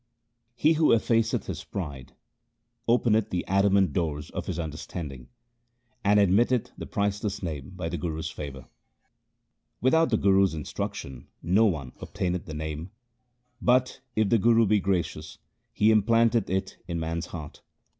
He who effaceth his pride openeth the adamant doors of his understanding, And admitteth the priceless Name by the Guru's favour. Without the Guru's instruction no one obtaineth the Name; SIKH. II N 178 THE SIKH RELIGION but, if the Guru be gracious, he implanteth it in man's heart.